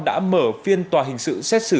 đã mở phiên tòa hình sự xét xử